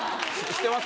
知ってます。